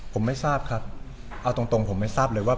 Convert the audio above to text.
ผมไม่ทราบครับเอาตรงผมไม่ทราบเลยว่า